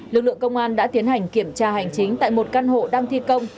lực lượng công an đã tiến hành kiểm tra hành chính tại một căn hộ đang thi công